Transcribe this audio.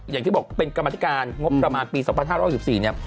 อย่างที่บอกเป็นกรรมธิการงบประมาณปี๒๕๖๔เนี่ย